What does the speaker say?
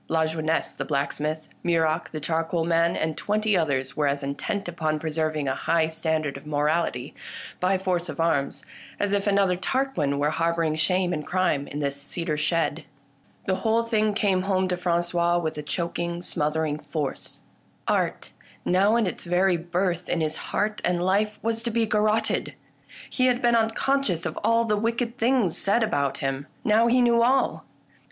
Lajeunesse the blacksmith, Muroc the charcoal man, and twenty others were as intent upon preserving a high standard of morality, by force of arms, as if another Tarquin were harbouring shame and crime in this cedar shed. The whole thing came home to Frangois with a choking smothering force. Art, now in its very birth in his heart and life, was to be garrotted. He had been unconscious of all the wicked things said about him : now he knew all